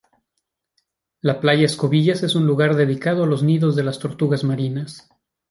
La Playa Escobillas es un lugar dedicado a los nidos de las tortugas marinas.